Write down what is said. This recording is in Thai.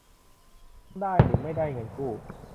ได้หรือไม่ได้เงินกู้